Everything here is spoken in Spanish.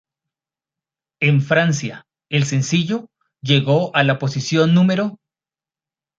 En Francia, el sencillo llegó a la posición No°.